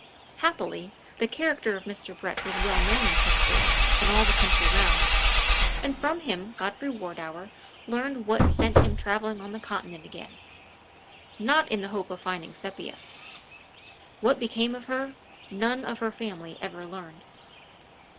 Happily, the character of Mr. Brett was well known in Testbridge and all the country round; and from him Godfrey Wardour learned what sent him traveling on the Continent again not in the hope of finding Sepia. What became of her, none of her family ever learned.